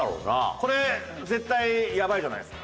これ絶対やばいじゃないですか。